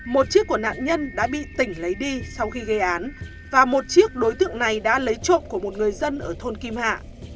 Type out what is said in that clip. một chiếc của nạn nhân đã bị tỉnh lấy đi sau khi gây án và một chiếc đối tượng này đã lấy trộm của một người dân ở thôn kim hạ